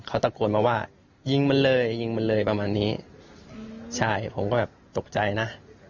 เขาตะโกนมาว่ายิงมันเลยยิงมันเลยประมาณนี้ใช่ผมก็แบบตกใจนะ